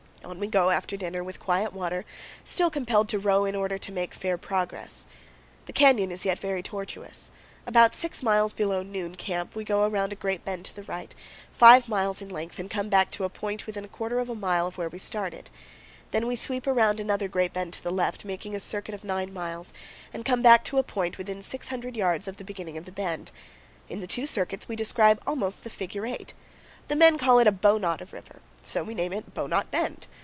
On we go, after dinner, with quiet water, still compelled to row in order to make fair progress. The canyon is yet very tortuous. About six miles below noon camp we go around a great bend to the right, five miles in length, and come back to a point within a quarter of a mile of where we started. Then we sweep around another great bend to the left, making a circuit of nine miles, and come back to a point within 600 yards of the beginning of the bend. In the two circuits we describe almost the figure 8. The men call it a "bowknot" of river; so we name it Bowknot Bend.